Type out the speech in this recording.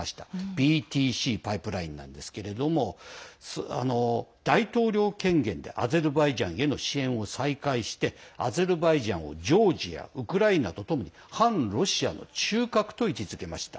ＢＴＣパイプラインなんですが大統領権限でアゼルバイジャンへの支援を再開してアゼルバイジャンをジョージアウクライナとともに反ロシアの中核と位置づけました。